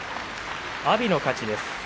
阿炎の勝ちです。